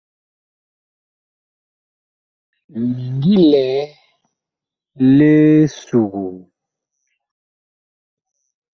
Mi ngi lɛ li suguu.